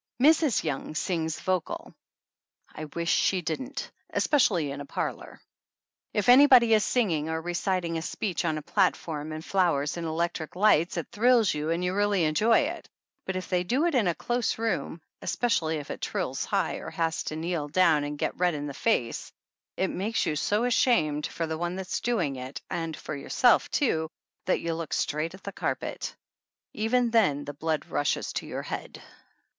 Mrs. Young sings vocal. I wish she didn't, especially in a parlor. If anybody is singing or reciting a speech on a platform and flowers and electric lights it thrills you and you really en j oy it ; but if they do it in a close room, especially if it trills high or has to kneel down and get red in the face, it makes you so ashamed for the one that's doing it, and for yourself, too, that you look straight at the carpet. Even then the blood rushes to your head.